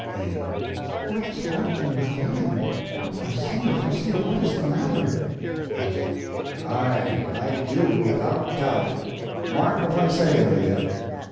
A. What, talk you of killing? Oh, Farcillo, Farcillo, what is the matter? F. Aye, I do, without doubt; mark what I say, Amelia.